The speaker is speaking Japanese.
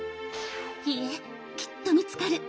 いいえきっと見つかる！